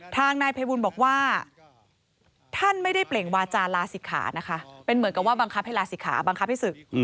ทางนายภัยบูลบอกว่าท่านไม่ได้เปล่งวาจาลาศิกขานะคะเป็นเหมือนกับว่าบังคับให้ลาศิกขาบังคับให้ศึก